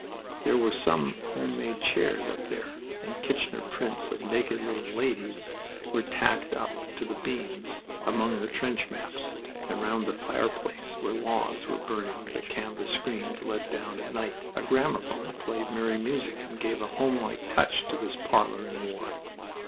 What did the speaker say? There were some home made chairs up there, and Kirchner prints of naked little ladies were tacked up to the beams, among the trench maps, and round the fireplace where logs were burning was a canvas screen to let down at night. A gramophone played merry music and gave a homelike touch to this parlor in war.